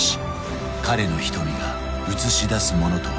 彼の瞳が映し出すものとは？